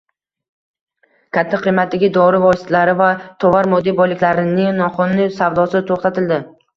Katta qiymatdagi dori vositalari va tovar moddiy boyliklarining noqonuniy savdosi to‘xtatildi